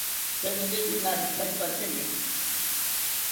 Tzitenikiri nawithakithakimi